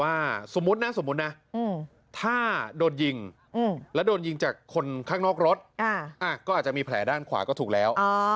อาจจะมีแพลมที่หูซ้าย